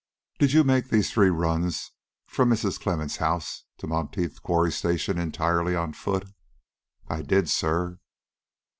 "Did you make these three runs from Mrs. Clemmens' house to Monteith Quarry Station entirely on foot?" "I did, sir."